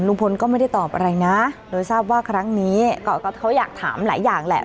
ก็ไม่ได้ตอบอะไรนะโดยทราบว่าครั้งนี้เขาอยากถามหลายอย่างแหละ